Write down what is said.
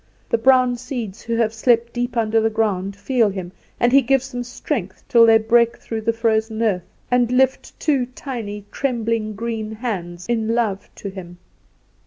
The brown seeds, who have slept deep under the ground, feel him, and he gives them strength, till they break through the frozen earth, and lift two tiny, trembling green hands in love to him.